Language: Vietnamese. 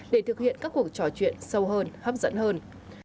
để thực hiện các cuộc trò chuyện sâu hơn hấp dẫn hơn